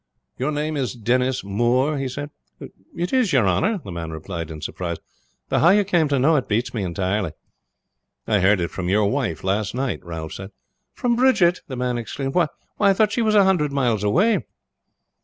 "Your name is Denis Moore?" he said. "It is, your honor," the man replied in surprise; "though how you came to know it beats me entirely." "I heard it from your wife last night," Ralph said. "From Bridget?" the man exclaimed. "Why, I thought she was a hundred miles away!"